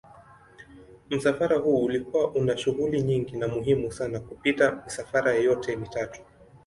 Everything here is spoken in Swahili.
Msafara huu ulikuwa una shughuli nyingi na muhimu sana kupita misafara yote mitatu.